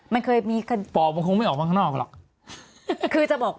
ปอกมันคงไม่ออกบ้างข้างนอกหรอก